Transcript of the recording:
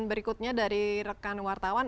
berikutnya dari rekan wartawan